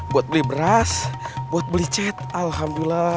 buat beli beras buat beli cat alhamdulillah